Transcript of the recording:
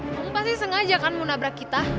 kamu pasti sengaja kan mau nabrak kita